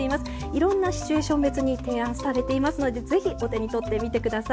いろんなシチュエーション別に提案されていますので是非お手に取ってみてください。